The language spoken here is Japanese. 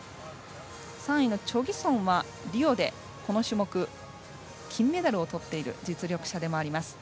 ３位のチョ・ギソンはリオで、この種目金メダルをとっている実力者でもあります。